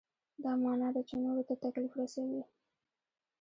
دا معنا ده چې نورو ته تکلیف رسوئ.